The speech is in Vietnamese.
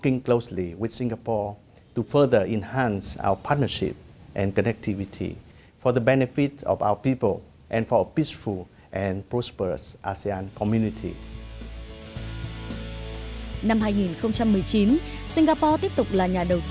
năm hai nghìn một mươi chín singapore tiếp tục là nhà đầu tư nói tiếng việtization and mutual assistance seguridad and mutual assistance education